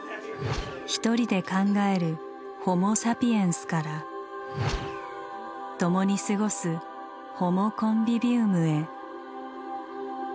一人で考える「ホモサピエンス」から共に過ごす「ホモコンヴィヴィウム」へ。